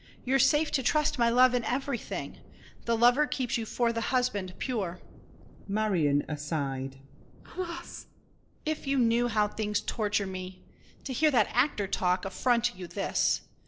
You're safe to trust my love in everything. The lover keeps you for the husband, pure! MARION (aside). Alas! DIDIER. If you knew how things torture me! To hear that actor talk, affront you thus!